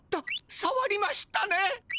さわりましたね。